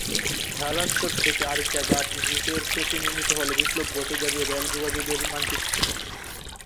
ঢালারচর থেকে আরিচা ঘাট রুটে সেতু নির্মিত হলে বিপ্লব ঘটে যাবে রেল যোগাযোগের মানচিত্রে।